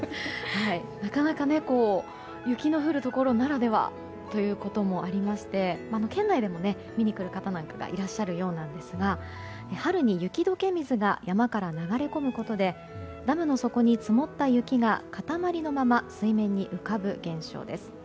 なかなか雪の降るところならではということもありまして県内でも見にくる方なんかがいらっしゃるようなんですが春に雪解け水が山から流れ込むことでダムの底に積もった雪が塊のまま水面に浮かぶ現象です。